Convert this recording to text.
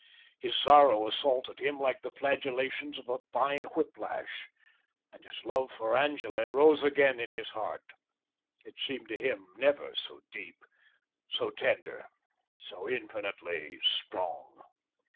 His sorrow assaulted him like the flagellations of a fine whiplash, and his love for Angele rose again in his heart, it seemed to him never so deep, so tender, so infinitely strong.